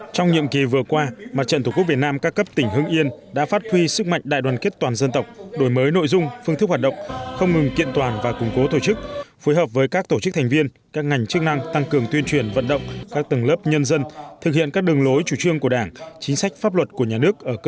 trong nhiệm kỳ vừa qua mặt trận tổ quốc việt nam ca cấp tỉnh hưng yên đã phát huy sức mạnh đại đoàn kết toàn dân tộc đổi mới nội dung phương thức hoạt động không ngừng kiện toàn và củng cố tổ chức phối hợp với các tổ chức thành viên các ngành chức năng tăng cường tuyên truyền vận động các tầng lớp nhân dân thực hiện các đường lối chủ trương của đảng chính sách pháp luật của nhà nước ở cơ sở